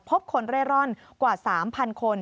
คนเร่ร่อนกว่า๓๐๐คน